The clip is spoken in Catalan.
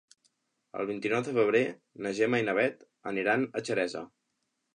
El vint-i-nou de febrer na Gemma i na Bet aniran a Xeresa.